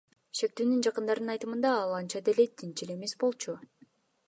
Шектүүнүн жакындарынын айтымында, ал анча деле динчил эмес болчу.